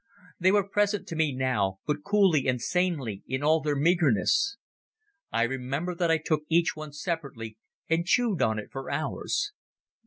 They were present to me now, but coolly and sanely in all their meagreness. I remember that I took each one separately and chewed on it for hours.